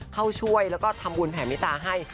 เข้าช่วยแล้วก็ทำบุญแผ่มิตาให้